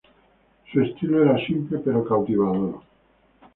Su estilo era simple pero cautivador.